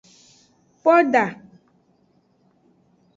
Poda.